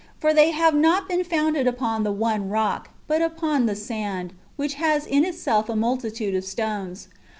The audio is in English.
For they have not been founded upon the one rock, but upon the sand, which has in itself a multitude of stones.